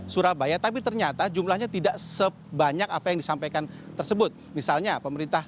surabaya tapi ternyata jumlahnya tidak sebanyak apa yang disampaikan tersebut misalnya pemerintah